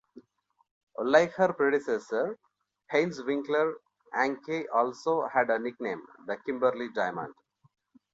Like her predecessor, Heinz Winckler, Anke also had a nickname: The Kimberley Diamond.